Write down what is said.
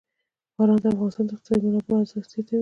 باران د افغانستان د اقتصادي منابعو ارزښت زیاتوي.